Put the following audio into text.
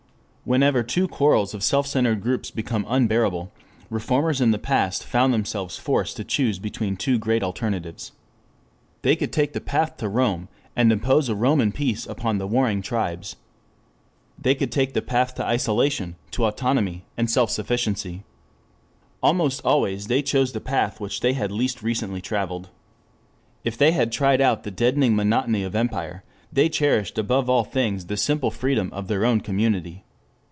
Whenever the quarrels of self centered groups become unbearable, reformers in the past found themselves forced to choose between two great alternatives. They could take the path to Rome and impose a Roman peace upon the warring tribes. They could take the path to isolation, to autonomy and self sufficiency. Almost always they chose that path which they had least recently travelled. If they had tried out the deadening monotony of empire, they cherished above all other things the simple freedom of their own community.